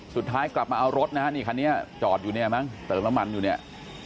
สุดท้ายกลับมาเอารถนะฮะนี่คันนี้จอดอยู่เนี่ยมั้งเติมน้ำมันอยู่เนี่ย